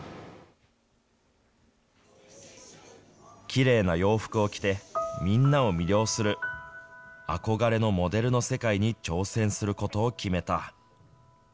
きれいな洋服を着て、みんなを魅了する、憧れのモデルの世界に挑戦することを決めた。